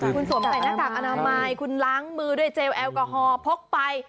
คุณสวมใส่หน้ากากอนามัยคุณล้างมือด้วยเจลแอลกอฮอล์พกไป